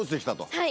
はい。